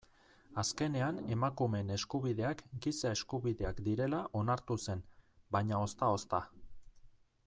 Azkenean emakumeen eskubideak giza eskubideak direla onartu zen, baina ozta-ozta.